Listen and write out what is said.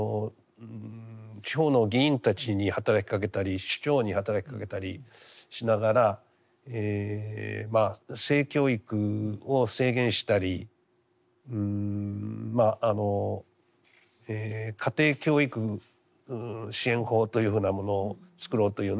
地方の議員たちに働きかけたり首長に働きかけたりしながら性教育を制限したり家庭教育支援法というふうなものを作ろうというね。